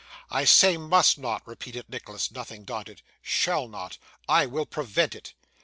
'I say must not,' repeated Nicholas, nothing daunted; 'shall not. I will prevent it.